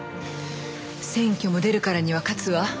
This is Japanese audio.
選挙も出るからには勝つわ。